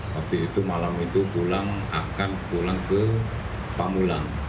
waktu itu malam itu pulang akan pulang ke pamulang